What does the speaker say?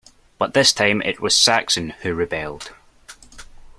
But this time it was Saxon who rebelled.